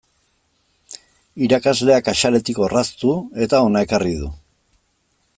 Irakasleak axaletik orraztu eta hona ekarri du.